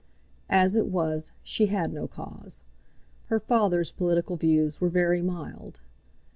As it was, she had no cause. Her father's political views were very mild.